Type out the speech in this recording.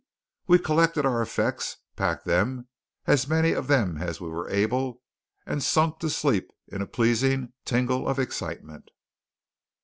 We collected our effects, packed them, as many of them as we were able, and sunk to sleep in a pleasing tingle of excitement.